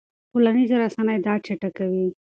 ټولنیزې رسنۍ دا چټکوي.